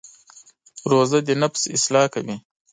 روژه د نفس اصلاح کوي.